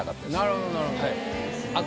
なるほどなるほど。